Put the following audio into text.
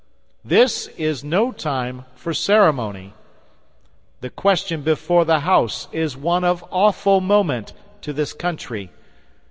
This is no time for ceremony. The question before the House is one of awful moment to this country.